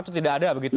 itu tidak ada begitu